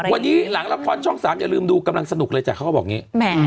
วันนี้หลังละครช่อง๓อย่าลืมดูกำลังสนุกเลยจ้ะเขาก็บอกอย่างนี้